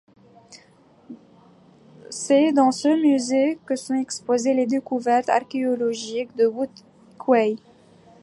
C'est dans ce musée que sont exposées les découvertes archéologiques de Wood Quay.